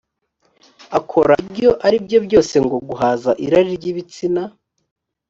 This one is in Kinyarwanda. akora ibyo ari byo byose byo guhaza irari ry’ibitsina